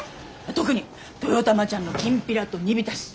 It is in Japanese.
特に豊玉ちゃんのきんぴらと煮びたし絶品だから！